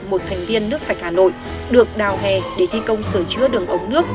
một thành viên nước sạch hà nội được đào hè để thi công sửa chữa đường ống nước